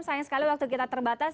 sayang sekali waktu kita terbatas